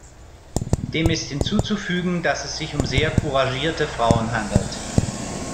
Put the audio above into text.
Dem ist hinzuzufügen, dass es sich um sehr couragierte Frauen handelt.